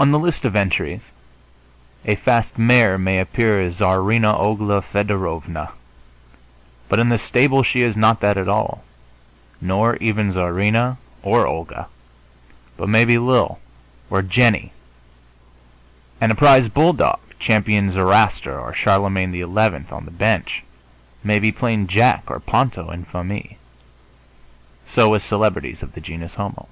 On the list of entries a fast mare may appear as Czarina Ogla Fedorovna, but in the stable she is not that at all, nor even Czarina or Olga, but maybe Lil or Jennie. And a prize bulldog, Champion Zoroaster or Charlemagne XI. on the bench, may be plain Jack or Ponto en famille. So with celebrities of the genus homo.